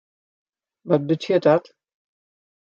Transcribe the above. Wat betsjut dat?